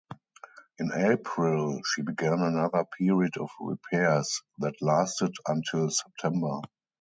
In April, she began another period of repairs that lasted until September.